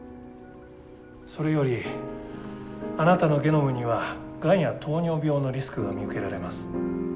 それよりあなたのゲノムにはがんや糖尿病のリスクが見受けられます。